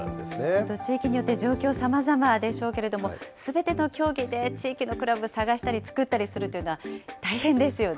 本当、地域によって状況さまざまでしょうけれども、すべての競技で地域のクラブ探したり、作ったりするというの大変ですよね。